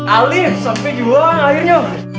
alih sampai juang akhirnya